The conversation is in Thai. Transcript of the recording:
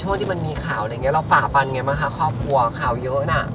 ที่มันมีข่าวอะไรอย่างเงี้เราฝ่าฟันไงบ้างคะครอบครัวข่าวเยอะน่ะ